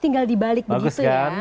tinggal dibalik begitu ya